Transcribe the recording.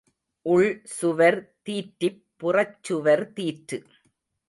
உள் சுவர் தீற்றிப் புறச்சுவர் தீற்று.